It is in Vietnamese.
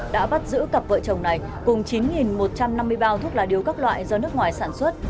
đã bắt giữ cặp vợ chồng này cùng chín một trăm năm mươi bao thuốc lá điếu các loại do nước ngoài sản xuất